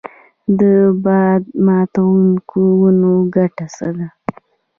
د باد ماتوونکو ونو ګټه څه ده؟